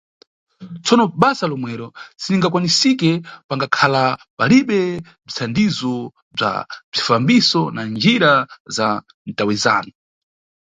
Tsono basa lomwero si lingadakwanisike pangadakhala palibe bzithandizo bza bzifambiso na njira za mtawizano.